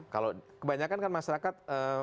kalau kebanyakan kan masyarakat